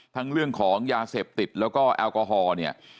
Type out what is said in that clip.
เรื่องของยาเสพติดแล้วก็แอลกอฮอล์เนี่ย